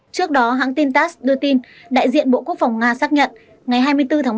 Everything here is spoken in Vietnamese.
trước đó hãng tin tass đưa tin đại diện bộ quốc phòng nga xác nhận ngày hai mươi bốn tháng một